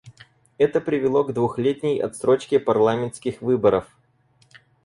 Это привело к двухлетней отсрочке парламентских выборов.